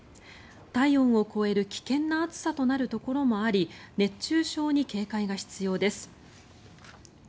体温を超える危険な暑さとなるところもあり熱中症に警戒が必要です。